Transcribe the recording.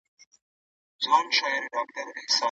د دین اصول د ټولنیز نظام بنیاد جوړوي.